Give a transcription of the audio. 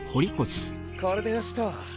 これでよしと！